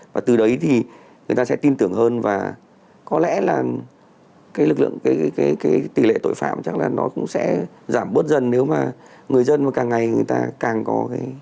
và từ đấy thì người ta sẽ tin tưởng hơn và có lẽ là cái lực lượng tỷ lệ tội phạm chắc là nó cũng sẽ giảm bớt dần nếu mà người dân mà càng ngày người ta càng có cái